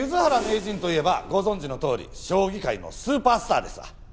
名人といえばご存じのとおり将棋界のスーパースターですわ。